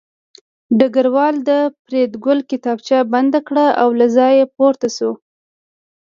ډګروال د فریدګل کتابچه بنده کړه او له ځایه پورته شو